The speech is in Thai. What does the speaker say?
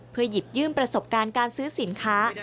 เพื่อหยิบยื่นประสบการณ์การซื้อสินค้า